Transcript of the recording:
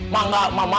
mbak mbak mbak mbak